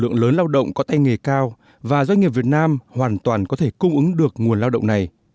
lượng lớn lao động có tay nghề cao và doanh nghiệp việt nam hoàn toàn có thể cung ứng được nguồn lao động này